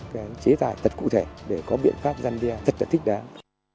đưa ra các cái chế tài thật cụ thể để có biện pháp giăn đeo thật là thích đáng